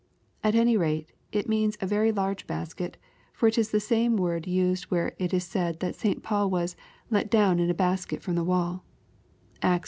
At any rate, it means a very large basket, for it is the same word used where it is said that St Paul was "let down in a basket from the wall" (Acta ix.